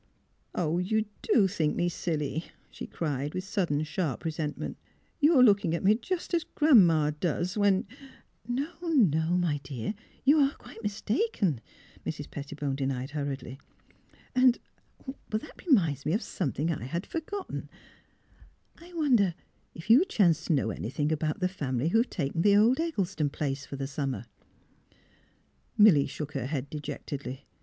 *' Oh, you do think me silly! " she cried, with sudden sharp resentment. " You are looking at me just as Gran 'ma does when I —■—"*' No, no, my dear. You are quite mistaken," Mrs. Pettibone denied, hurriedly. '' And — that reminds me of something I had forgotten: I wonder if you chance to know anything about the family who have taken the old Eggleston place for the summer? " Milly shook her head dejectedly.